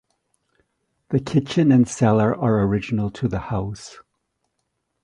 The kitchen and cellar are original to the house.